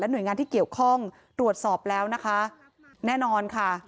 หน่วยงานที่เกี่ยวข้องตรวจสอบแล้วนะคะแน่นอนค่ะ